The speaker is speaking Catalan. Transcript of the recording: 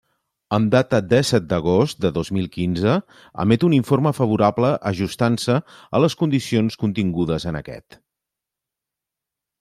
Amb data dèsset d'agost de dos mil quinze, emet un informe favorable ajustant-se a les condicions contingudes en aquest.